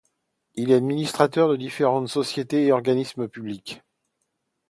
Il est administrateur de différentes sociétés et organismes publics.